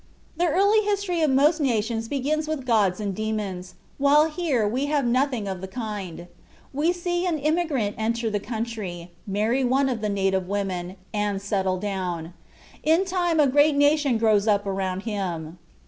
The early history of most nations begins with gods and demons, while here we have nothing of the kind; we see an immigrant enter the country, marry one of the native women, and settle down; in time a great nation grows up around him.